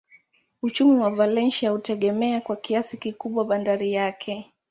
Uchumi wa Valencia hutegemea kwa kiasi kikubwa bandari yake.